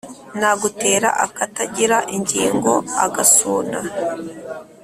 Nagutera akatagira ingingo-Agasuna.